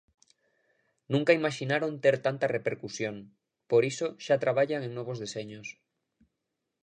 Nunca imaxinaron ter tanta repercusión, por iso xa traballan en novos deseños.